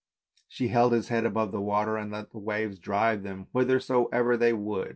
She held his head above the water and let the waves drive them whithersoever they would.